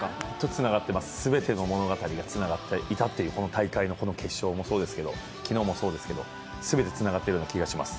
つながっています、全ての物語がつながっていたという、この大会のこの決勝もそうですけど昨日もそうですけど全てつながっているような感じがします。